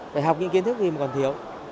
phải học những kiến thức gì mà còn thiếu